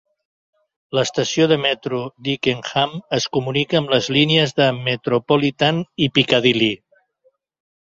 L'estació de metro d'Ickenham es comunica amb les línies de Metropolitan i Piccadilly.